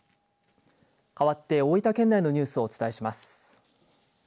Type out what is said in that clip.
かわって大分県内のニュースをお伝えします。